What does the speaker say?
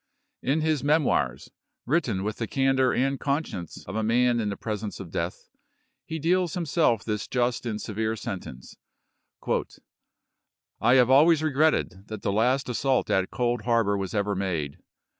In his "Memoii's," written with the candor and conscience of a man in the presence of death, he deals himself this just and severe sentence :" I have always regretted that the last assault at Cold Harbor was ever made.